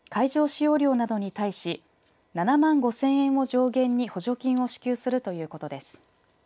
使用料などに対し７万５０００円を上限に補助金を支給するということです。